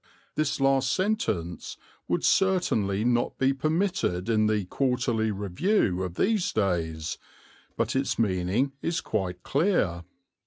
(This last sentence would certainly not be permitted in the Quarterly Review of these days, but its meaning is quite clear.)